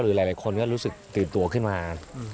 หลายคนก็รู้สึกตื่นตัวขึ้นมา